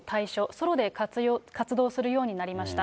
ソロで活動するようになりました。